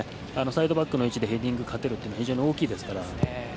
サイドバックの位置でヘディング勝てるというのは非常に大きいですから。